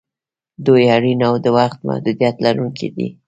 دوی اړین او د وخت محدودیت لرونکي دي.